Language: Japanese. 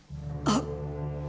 あっ！